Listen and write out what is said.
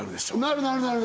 なるなるなる！